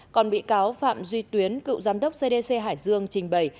còn bị cáo phạm duy tuyến cựu giám đốc cdc hải dương trình bày